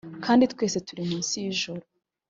kandi twese turi munsi y` ijuru